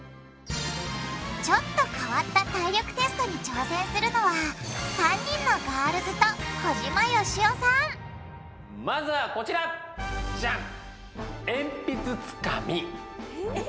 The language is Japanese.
ちょっと変わった体力テストに挑戦するのは３人のガールズと小島よしおさんじゃん！